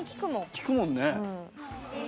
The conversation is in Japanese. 聴くもんね。